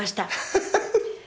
ハハハ！